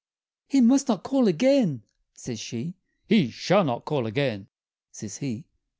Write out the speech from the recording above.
"He must not call again," says she "He shall not call again!" says he.